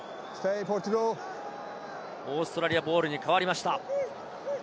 オーストラリアボールに変わりました。